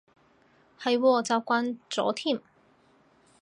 係喎，習慣咗添